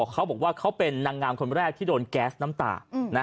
เขาบอกว่าเขาเป็นนางงามคนแรกที่โดนแก๊สน้ำตา